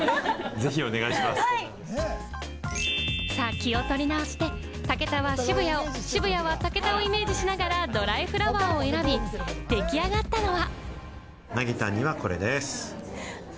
気を取り直して、武田は渋谷を、渋谷は武田をイメージしながらドライフラワーを選び、出来上がったのは。